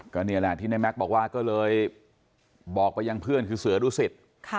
ก็นี่แหละที่ในแม็กซ์บอกว่าก็เลยบอกไปยังเพื่อนคือเสือดุสิต